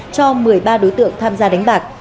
cho một mươi ba đối tượng tham gia đánh bạc